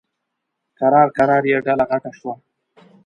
کرار کرار یې ډله غټه شوه.